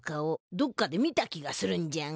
どっかで見た気がするんじゃが。